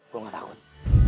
gue gak takut